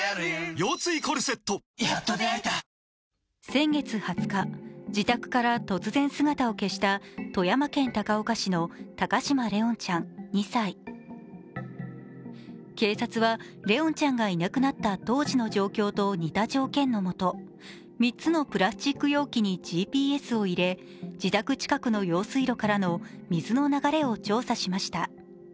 先月２０日、自宅から突然姿を消した富山県高岡市の高嶋怜音ちゃん２歳警察は怜音ちゃんがいなくなった当時の状況と似た条件のもと３つのプラスチック容器にＧＰＳを入れ自宅近くの用水路からの水の流れを調査しました。